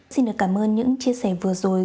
xin được cảm ơn những chia sẻ vừa rồi